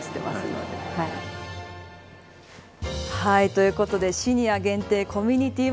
ということでシニア限定コミュニティー